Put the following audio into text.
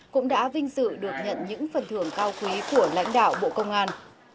cũng đã vinh dự được nhận những phần thưởng cao quý của lãnh đạo bộ công an